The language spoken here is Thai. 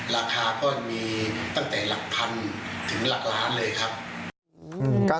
ราคาก็มีตั้งแต่หลักพันถึงหลักล้านเลยครับ